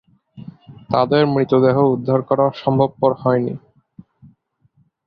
তাদের মৃতদেহ উদ্ধার করাও সম্ভবপর হয়নি।